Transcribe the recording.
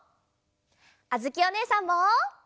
あづきおねえさんも！